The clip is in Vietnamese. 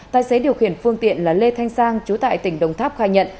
tài xế điều khiển phương tiện là lê thanh sang chú tại tỉnh đồng tháp khai nhận